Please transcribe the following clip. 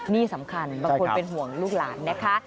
นี่สำคัญบางคนเป็นห่วงลูกหลานนะคะ